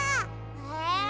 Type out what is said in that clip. え？